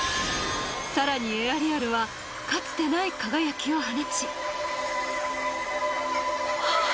更にエアリアルはかつてない輝きを放ちはっ！